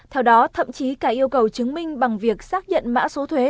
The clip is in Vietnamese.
theo đó thậm chí cả yêu cầu chứng minh bằng việc xác nhận mã số thuế